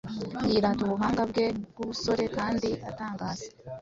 Yirata ubuhanga bwe bwubusorekandi atangaza